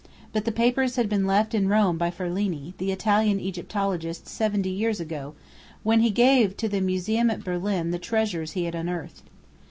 But the papers had been left in Rome by Ferlini, the Italian Egyptologist, seventy years ago, when he gave to the museum at Berlin the treasures he had unearthed.